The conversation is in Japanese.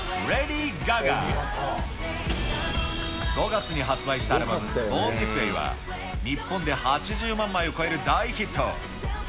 ５月に発売したアルバム、ボーン・ディス・ウェイは日本で８０万枚を超える大ヒット。